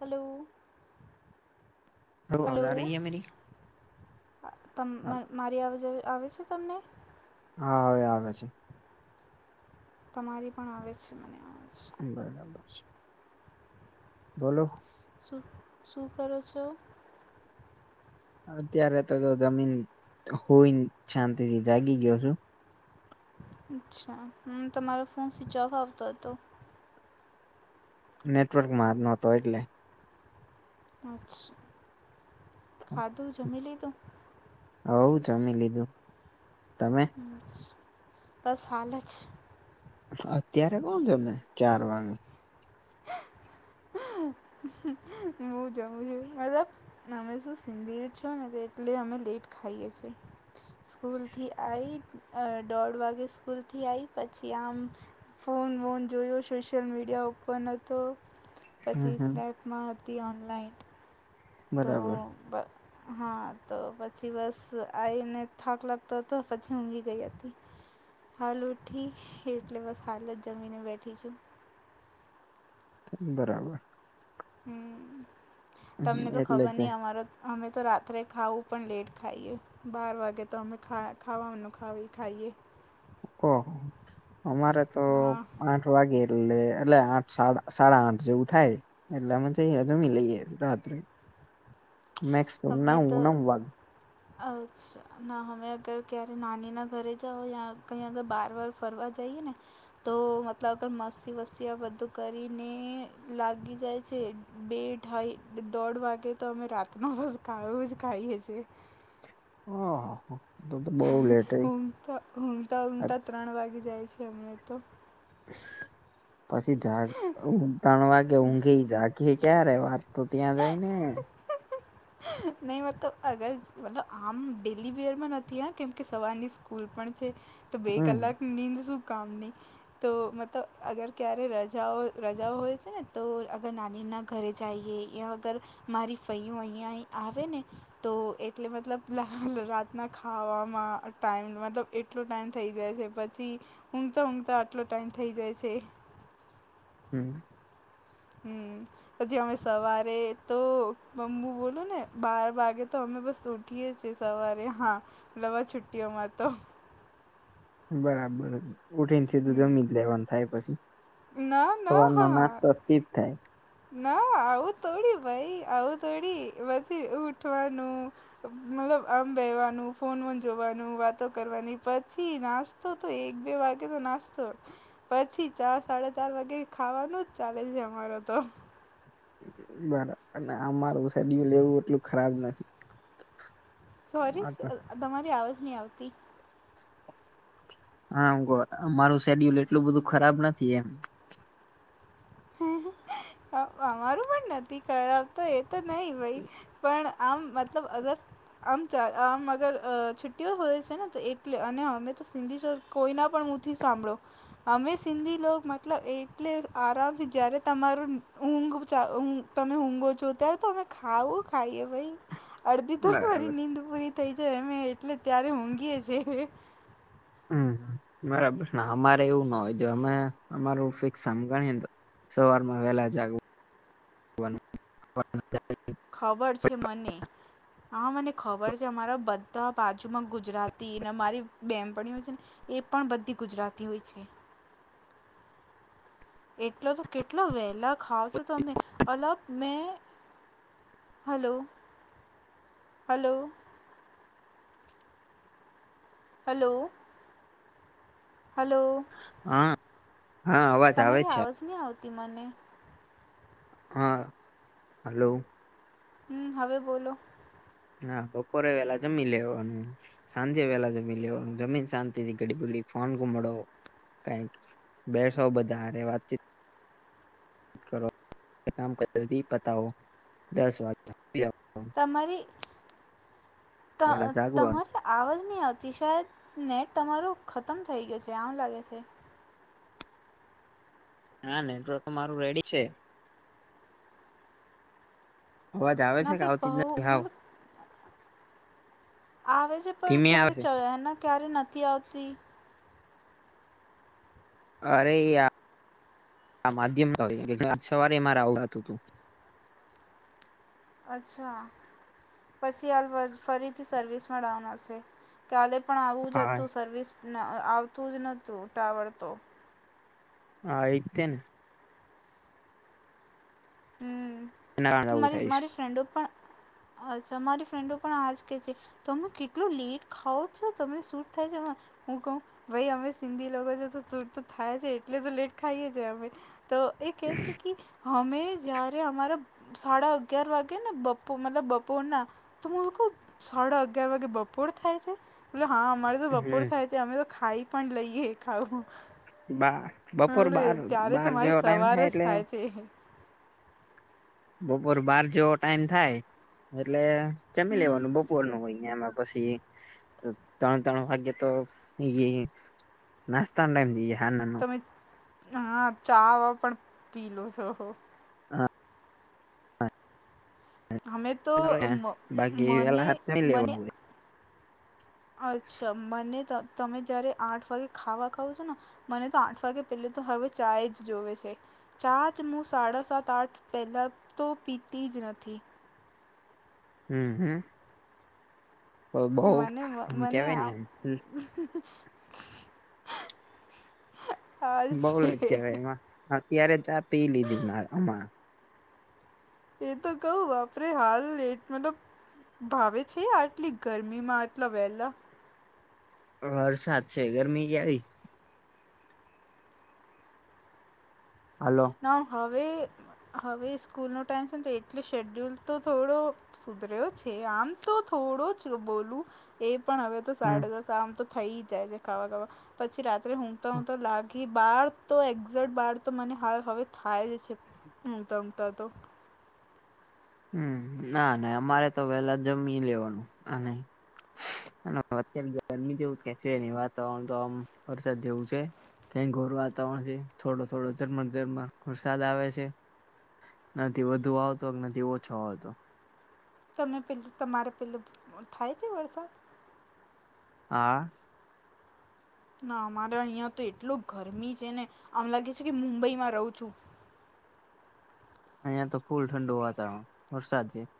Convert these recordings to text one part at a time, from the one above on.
Hello! [unintelligible] અ તમ મારી અવાજ આવે છે તમને? હા અવે આવે છે. તમારી પણ આવે છે મને અવાજ. બરાબર છે. બોલો. શું શું કરો છો? અત્યારે તો તો જો જમીન હુઈ ન શાંતિથી જાગી ગયો છું. અચ્છા હમ્મ તમારો ફોન સ્વિચ ઓફ આવતો હતો. નેટવર્કમાં નતો એટલે. અચ્છા ખાધું જમી લીધું? હોવ જમી લીધું. તમે? બસ હાલે છ. અત્યારે કોણ જમે ચાર વાગે? હું જમું છું મતલબ અમે શું સિંધી છો ને એટલે અમે લેટ ખાઈએ છીએ. સ્કૂલથી આઈ દોઢ વાગે સ્કૂલથી આઈ પછી આમ ફોન વોન જોયો સોશિયલ મીડિયા ઉપર ઓપન હતો હમ પછી હમ સ્નેપમાં હતી ઓનલાઈન. તો બરાબર બ હા તો પછી બસ આઈને થાક લાગતો હતો પછી હું હુઈ ગઈ હતી. હાલ ઉઠી એટલે બસ હાલ જ જમીને બેઠી છું. બરાબર. હમ. તમને તો એટલે ખબર કે નહીં અમારો અમે તો રાત્રે ખાવું પણ લેટ ખાઈએ. બાર વાગે તો અમે [unintelligible] ખાવાનુ ખાઈએ. ઓહ અમારે તો હા આઠ આઠ વાગે એટલે એટલે આઠ સાડા આઠ જેવું થાય. એટલ એમ તો‌ જમી ‌લઈએ રાત્રે. મેક્સિમમ અમે નવ તો નવ વાગે આજ ના અમે અગર ક્યારે નાનીના ઘરે જાઓ યા કઈ અગર બાર વાર ફરવા જઈએ ને તો મતલબ અગર મસ્તી વસ્તી આ બધું કરીને લાગી જાય છે. બેઠાઈ દોઢ વાગે તો અમે રાતનો બસ ખાવાનું જ ખાઈએ છીએ. ઓહોહ ઉંધ તા ઉંધ ત્રણ વાગી જાય છે અમને તો. પછી જ ત્રણ વાગે ઊંઘે જાગી ક્યારે વાત તો ત્યાં જઈને નહી મતલબ અગર મતલબ આમ ડેલી વરમાં નથી આ કેમ કે સવારની સ્કૂલ પણ છે તો બે હમ કલાક નીંદ શું કામ ની? તો મતલબ અગર ક્યારે રજાઓ રજાઓ હોય છે ને તો અગર નાનીના ઘરે જઈએ એહીંયા વગર મારી ફઈઓ અહીંયા આવે ને તો એટલે મતલબ રાતના ખાવામાં ટાઈમ મતલબ એક આટલો ટાઈમ થઈ જાય છે પછી ઊંઘ તો ઊંઘ તો આટલો ટાઈમ થઈ જાય છે. હમ. હમ. પછી અમે સવારે તો બમ્બુ બોલું ને બાર વાગે તો અમે બસ ઉ ઉઠીએ છીએ. સવારે હા નવા છુટ્ટીઓમાં તો. બરાબર ઉઠીને સીધું જમી જ હમ લેવાનું થાય પછી. ના ના સવારનો હા નાસ્તો સ્કીપ થાય. ના આવું થોડી હોય આવું થોડી પછી ઉઠવાનું મતલબ આમ બેહવાનું ફોન બોન જોવાનું વાતો કરવાની પછી નાસ્ તો તો એક બે વાગે તો નાસ્તો. પછી ચાર સાડા ચાર વાગે ખાવાનું જ ચાલે છે અમારો તો. બરાબર આમારું શેડયુલ એવુ એટલું ખરાબ નથી. સોરી તમારી આવાજ નહીં આવતી. હા અમારું શેડ્યુલ એટલું બધું ખરાબ નથી એમ. અમારું પણ નથી ખરાબ તો એ તો નહી હોય પણ આમ મતલબ અગર આમ ચ આમ અગર છુટ્ટીઓ હોય છે ને તો એટલે અને અમે તો સિંધી શ કોઈના પણ મુહથી સાંભળો અમે સિંધી લોક મતલબ એટલે આરામ જય્યારે તમારું ઊંઘ-ઊંઘ તમે ઊંઘો છો ત્યારે તો અમે ખાવું ખાઈએ ભાઈ. અડધી તમારી બરાબર નીંદ પૂરી થઈ જાય અમે એટલે ત્યારે ઊંઘીએ છીએ. હમ્મ બરાબર અમારે એવું ના હોય જો અમે અમાર ફિક્સ આ ગણીએને તો સવારમાં વેલા જાગવુ. ખબર છે મને. હા મને ખબર છે અમારા બધા બાજુમાં ગુજરાતી ને અમારી બેનપણીઓ છે ને એ પણ બધી ગુજરાતી હોય છે. એટલો તો કેટલા વહેલા ખાવ છો તમે અલગ મેં હલો હલો. હલો. હલો. હા. હા અવાજ આવે તમારી છે આવાજ નહી આવતી મને. હા હલો. હમ્મ હવે બોલો. હા બપોરે વેલા જમી લેવાનું સાંજે વેલા જમીન લેવુ જમીન શાંતિ થી ઘડી બુલી ફોન ગુમાડવો કાઈ બેસો બધા હારે વાતચીત કરો કામ કરીતી પતાઓ દસ વાગે તમારી ત વેલા જાગવાનું તમાર આવજ નહીં આવતી શાયદ નેટ તમારું ખતમ થઈ ગયું છે આમ લાગે છે. ના નેટવર્ક મારું રેડી છે. અવાજ આવે છે ના કે પણ આવતી જ બહુ નથી હાવ મતલબ આવે છે પણ ધીમે ક્યારે આવે છે ચ એને ક્યારે નથી આવતી અરે યાર માધ્યમ સવારે મારે આવુ થાતું તું અચ્છા પછી હાલ ફરીથી સર્વિસમાં ડાઉન હશે. કાલે પણ આવું જ હા હતું સર્વિસ આવતું જ નહોતું ટાવર તો હા એઈ તેને હમ્મ એના કારણે આવું મારી થાય છે મારી ફ્રેન્ડો પણ અચ્છા મારી ફ્રેન્ડો પણ આજ કે છે. તમે કેટલું લેટ ખાવ છો તમે શુંટ થાય છે હું કહું ભાઈ અમે સિંધી લોકો જો સૂટ તો થાય છે એટલે તો લેટ ખાઈએ છે અમે તો એ કેહે છે કે હમે જય્યારે અમારે સાડા અગિયાર વાગે ને બપોર મતલબ બપોરના તો હું લોકો સાડા અગિયાર વાગે બપોર થાય છે બોલે હા અમારે તો બપોર હમ થાય છે અમે તો ખાઈ પણ લઈએ ખાવું બાર મેં બપોર બાર બાર જેવો ટાઈમ થાય એટલે તે હે બપોર બાર જેવો ટાઈમ થાય એટલે જમી હમ લેવાનું બપોર નું હોય એમાં પછી ત્રણ ત્રણ વાગે તો ઈ નાસ્તા ટાઈમ થઈ હા ના તમે હા ચા પણ પી લો છો. હા. હમે તો બાકી મને વેલા હાથ નઈ મને લેવાનું હોય અચ્છા મને તમે જયારે આઠ વાગે ખાવા ખાવ છો ને મને તો આઠ વાગે પેલા તો હવે ચાાય જ જોવે છે ચા જ હું સાડા સાત આઠ પહેલાં તો પીતી જ નથી. હમ્મ હમ્મ તો બહું મને આમ મને કેવાય ને આ એમ [inaudible] હા બઉ જ કેવાય એમાં અત્યારે ચા પી લીધી મા અમા એ તો કવું બાપરે હાલ એટ મતલબ ભાવે છે આટલી ગરમી માં આટલા વહેલા વરસાદ છે, ગરમી કેવી હાલો. ના હવે-હવે સ્કૂલનો ટાઈમ છે ને તો એટલે શેડ્યુલ તો થોડો સુધર્યો છે. આમ તો થોડો જ બોલું, એ પણ હવે તો હમ સાડા દસ આમ તો થઈ જાય છે [unintelligible] પછી રાત્રે ઊંઘતા-ઊંઘતા લાગી બાર તો એક્ઝેટ બાર તો મને હાલ હવે થાય જ છે, ઊંઘતા-ઊંઘતાં તો. હમ્મ. ના-ના અમારે તો વહેલા જમી લેવાનું, આ નહીં. અને અત્યારે ગરમી જેવું કઈ છે નહીં, વાતાવરણ તો આમ વરસાદ જેવું છે. કેઈ ઘોર વાતાવરણ છે, થોડો-થોડો જરમર-જરમર વરસાદ આવે છે. નથી વધુ આવતો કે નથી ઓછો આવતો. તમે પેલું તમારે પેલું થાય છે વરસાદ? હા. ના અમારા અહીંયા તો એટલું ગરમી છે ને, આમ લાગે છે કે મુંબઈમાં રહું છું. અહિયાં તો ફૂલ ઠંડુ વાતાવરણ. વરસાદ છે.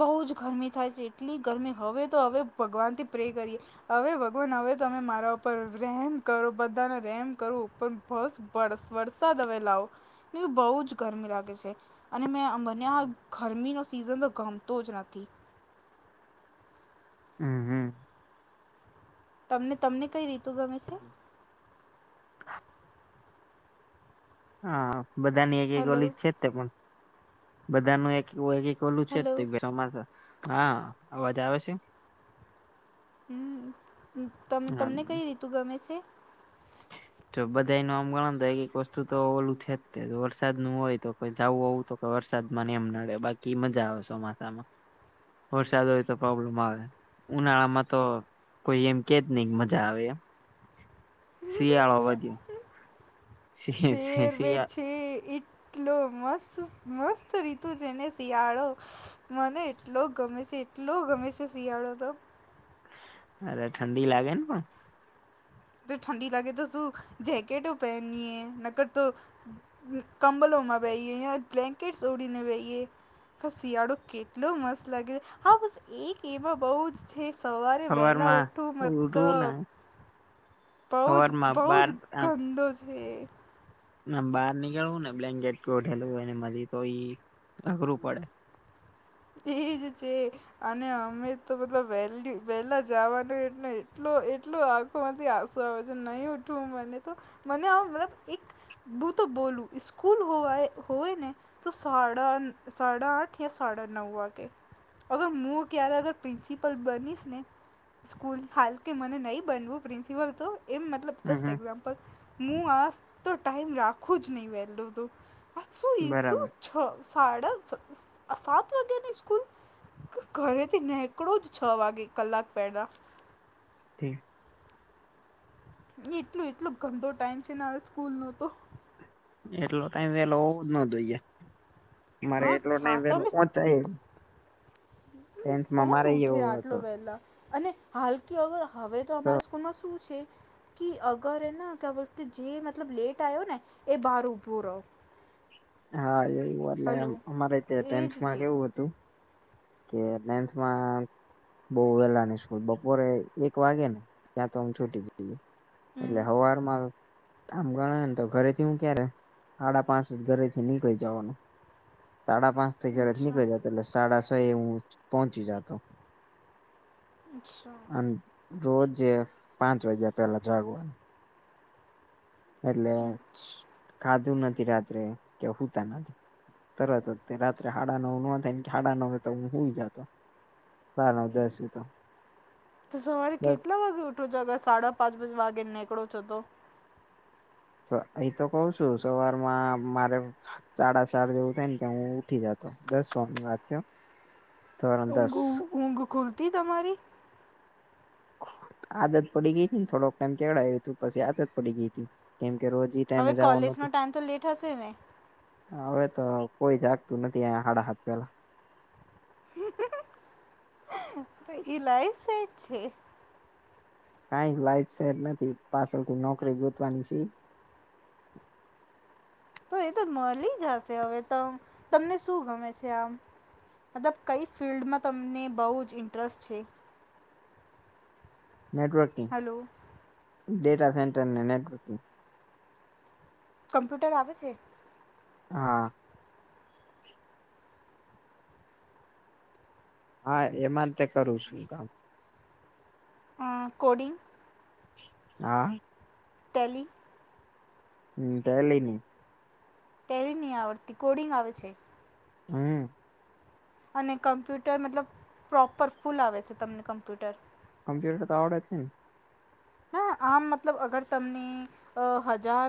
બહુ જ ગરમી થાય છે, એટલી ગરમી હવે તો હવે ભગવાનથી પ્રે કરીએ હવે ભગવાન હવે તમે મારા ઉપર રહેમ કરો, બધાને રહેમ કરો ઉપમ બસ વરસ વરસાદ હવે લાવો, ને બહુ જ ગરમી લાગે છે. અને મેં આ મને આ ગરમીનો સિઝન તો ગમતો જ નથી. હમ્મ-હમ્મ. તમને-તમને કઈ રીતુ ગમે છે? હા, બધાની એક-એક હલો ઓલી જ છે તે પણ. બધા નું એક, એક-એક ઓલું છે હલો તે ચોમાસા. હા. અવાજ આવે છે? હમ્મ. તમ હા તમને કઈ રીતુ ગમે છે? જો બધાય નું આમ ગણો તો એક-એક વસ્તુ તો ઓલું છે જ તે. વરસાદ નું હોય તો કોઈ જવું આવું તો કે વરસાદ માં ને એમ નડે, બાકી મજા આવે ચોમાસામાં. વરસાદો હોય તો પ્રોબ્લેમ આવે. ઉનાળામાં તો કોઈ એમ કેજ નહીં મજા આવે એમ. શિયાળો વધીન, શિ-શિ ફેવરેટ શિયાળ છે એટલો મસ્ત-મસ્ત રીતુ છેને શિયાળો. મને એટલો ગમે છે. એટલો ગમે છે શિયાળો તો. અરે ઠંડી લાગે ને પણ. જો ઠંડી લાગે તો શું જેકેટો પહેનીએ, નકર તો કમબલો માં બેહીએ યા બ્લેન્કેટસ ઓઢીને બહીએ. [unintelligible] શિયાળો કેટલો મસ્ત લાગે, હા બસ એક એવા બઉ જ છે સવારે વહેલા સવારમાં ઉઠવું ઉઠવું ને મતલબ બહું જ સવારમાં બહુ બાર જ ગંદો છે એ. આમ બહાર નીકળવું ને બ્લેન્કેટ ઓઢેલું ને મલી તો ઈ અઘરું પડે. એજ છે. અને અમે તો મતલબ વહેલી વહેલા જાવાનું એમને એટલો-એટલો માંથી આવસો આવે છે. નહીં ઉઠવું મને તો, મને આમ મતલબ એક બું તો બોલું, સ્કૂલ હોવાય હોય ને તો સાડા-સાડા આઠ યા સાડા નવ વાગે. અગર હું ક્યારેક અગર પ્રિન્સિપલ બનીશ ને સ્કૂલ હાલ કે મને નહીં બનવું પ્રિન્સિપલ તો, એમ મતલબ હમ જસ્ટ હમ એક્ઝામ્પલ, હું આસ તો ટાઈમ રાખું જ નહીં વહેલું તું. બરાબર [unintelligible] સાત વાગાની સ્કૂલ? ઘરે થી નેકળો જ છ વાગે કલાક પહેલાં. [inaudible] ની એટલો-એટલો ગંદો ટાઈમ છેને હવે સ્કૂલનો તો. એટલો ટાઈમ વેલો હોવો જ ન જોઈએ. મારે હા એટલો ટાઈમ વેલો સાતમે ચાય ટેન્થમાં મારે કોણ એ એવો ઉઠે હતો. આટલો વહેલા અને હાલકી અગર હવે તો અમારા સ્કૂલમાં શું છે. કે અગર એ ના ક્યાં બોલતે હે જે મતલબ લેટ આયો ને એ બહાર ઊભો ર. [inaudible] હા એવું એટલે એમ અમારે તે એજ ટેન્થમાં છે કેવું હતું. કે ટેન્થમાં બઉ વેલાની સ્કૂલ બપોરે એક વાગે ને ત્યાં તો અમ છૂટી જઈ. એ એટલે હમ હવારમાં આમ ગણાય ને તો ઘરેથી હું ક્યારે હાડા પાંચ જ ઘરે થી નીકળી જવાનું. સાડા પાંચ થી ઘર જ અચ્છા નીકળી જતો એટલે સાડા છ એ હું પહોંચી જાતો. અચ્છા અને રોજે પાંચ વાગ્યા પેલા જાગવાનું. એટલે ખાધું નથી રાત્રે કે હૂતા નથી. તરત જ તે રાત્રે હાડા નવ ના થાય ને કે હડા નવે તો હું હુઈ જાતો. ના ના ઉદસ તો. તો સવારે દસ કેટલા વાગે ઉઠો છો અગર સાડા પાંચ પાં વાગે નીકળો છો તો? એ તો કઉ છું સવારમાં મારે સાડા ચાર જેવું થાય ને કે હું ઉઠી જાતો દસમાં ની વાત છે. ધોરણ દસ ઊંઘ ઊંઘ ખુલતી તમારી? આદત પડી ગઈ તી ને થોડોક ટાઈમ કેવડાયું તું પછી આદત પડી ગઈ તી. કેમ કે રોજ ઈ હવે ટાઈમે જાવાનું કોલેજનો હતું. ટાઈમ તો લેટ હશે ને હવે તો કોઈ જાગતું નથી અહીંયા હાડા હાથ પેલા. તો એ લાઈ સેટ છે. કાઈ લાઈફ સેટ નથી પાછળથી નોકરી ગોતવાની છે. તો એ તો મળી જશે હવે તો તમને શું ગમે છે આમ? મતલબ કઈ ફિલ્ડમાં તમને બહુ જ ઇન્ટરેસ્ટ છે? નેટવર્કિંગ હલો ડેટા સેન્ટર ને નેટવર્કિંગ. કમ્પ્યુટર આવે છે? હા. હા એમાં તે કરું છું કામ. હા કોડિંગ? હા. ટેલી? હમ ટેલી ની. ટેલી ની આવડતી. કોડિંગ આવે છે? હમ. અને કમ્પ્યુટર મતલબ પ્રોપર ફૂલ આવે છે તમને કમ્પ્યુટર? કમ્પ્યુટર તો આવડે જ છે ને. હા આમ મતલબ અગર તમને અ હજાર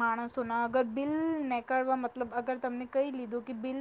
માણસોના અગર બિલ નેકળવા મતલબ અગર તમને કઈ લીધું કે બિલ